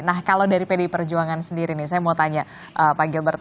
nah kalau dari pdi perjuangan sendiri nih saya mau tanya pak gilbert